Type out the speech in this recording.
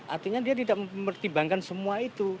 artinya dia tidak mempertimbangkan semua itu